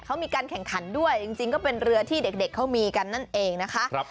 เขามีการแข่งขันด้วยจริงก็เป็นเรือที่เด็กเขามีกันนั่นเองนะคะ